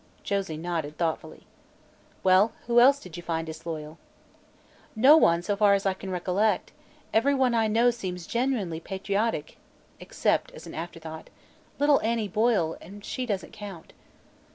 Josie nodded, thoughtfully. "Well, who else did you find disloyal?" "No one, so far as I can recollect. Everyone I know seems genuinely patriotic except," as an afterthought, "little Annie Boyle, and she doesn't count."